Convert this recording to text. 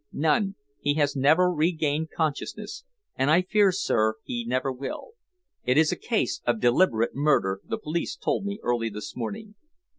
"None. He has never regained consciousness, and I fear, sir, he never will. It is a case of deliberate murder, the police told me early this morning."